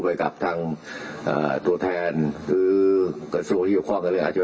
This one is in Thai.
มีศาสตราจารย์พิเศษวิชามหาคุณเป็นประเทศด้านกรวมความวิทยาลัยธรม